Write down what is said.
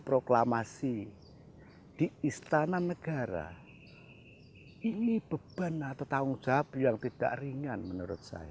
proklamasi di istana negara ini beban atau tanggung jawab yang tidak ringan menurut saya